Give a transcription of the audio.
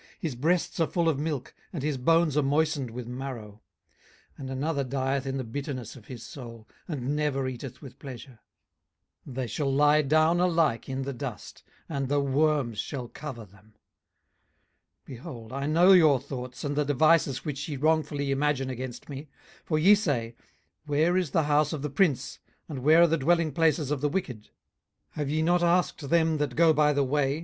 18:021:024 His breasts are full of milk, and his bones are moistened with marrow. 18:021:025 And another dieth in the bitterness of his soul, and never eateth with pleasure. 18:021:026 They shall lie down alike in the dust, and the worms shall cover them. 18:021:027 Behold, I know your thoughts, and the devices which ye wrongfully imagine against me. 18:021:028 For ye say, Where is the house of the prince? and where are the dwelling places of the wicked? 18:021:029 Have ye not asked them that go by the way?